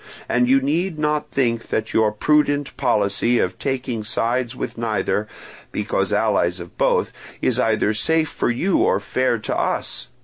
And you need not think that your prudent policy of taking sides with neither, because allies of both, is either safe for you or fair to us.